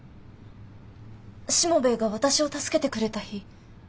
しもべえが私を助けてくれた日？